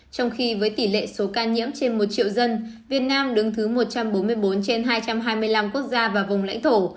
trong khi với tỷ lệ số ca nhiễm trên một triệu dân việt nam đứng thứ một trăm bốn mươi bốn trên hai trăm hai mươi năm quốc gia và vùng lãnh thổ